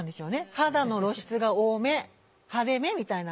肌の露出が多め派手めみたいな。